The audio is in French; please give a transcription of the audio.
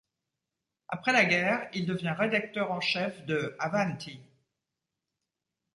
Après la guerre, il devient rédacteur en chef de Avanti!.